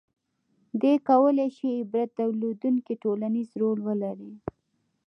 • دې کولای شي عبرت درلودونکی ټولنیز رول ولري.